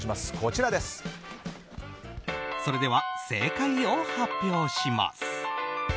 それでは正解を発表します。